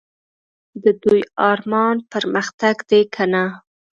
د دوی ارمان پرمختګ دی که نه ؟